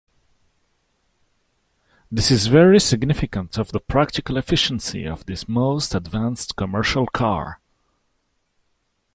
This is very significant of the practical efficiency of this most advanced commercial car.